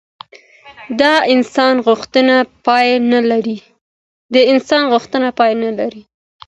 د انسان غوښتنې پای نه لري.